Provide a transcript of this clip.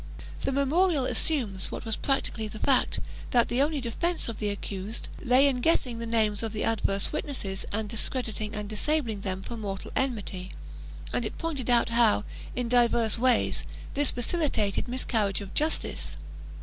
The memorial assumes, what was practically the fact, that the only defence of the accused lay in guessing the names of the adverse witnesses and discrediting and disabling them for mortal enmity, and it pointed out how, in diverse ways, this facilitated miscarriage of justice.